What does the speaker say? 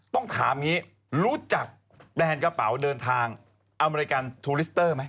ถามงี้รู้จักแบรนด์กระเป๋าเดินทางอเมริกาไหม